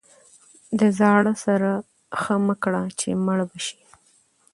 د زاړه سره ښه مه کړه چې مړ به شي.